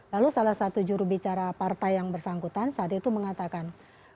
lalu salah satu jurubicara partai yang bersangkutan saat itu mengatakan